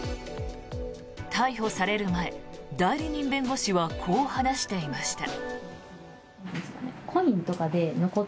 逮捕される前、代理人弁護士はこう話していました。